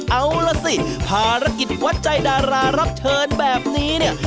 เอาล่ะสิภารกิจวัดใจดารารับเชิญแบบนี้เนี่ย